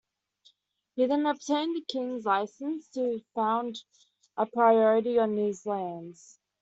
He then obtained the king's licence to found a Priory on his lands.